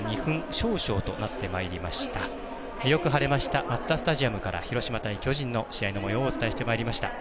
よく晴れましたマツダスタジアムから広島対巨人の試合のもようをお伝えしてまいりました。